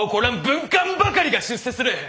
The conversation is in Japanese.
文官ばかりが出世する！